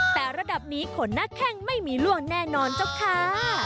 แต่ระดับนี้ขนหน้าแข้งไม่มีล่วงแน่นอนเจ้าค่ะ